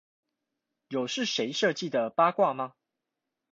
有是誰設計的八卦嗎？